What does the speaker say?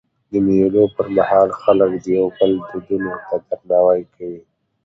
د مېلو پر مهال خلک د یو بل دودونو ته درناوی کوي.